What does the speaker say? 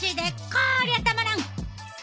こりゃたまらん！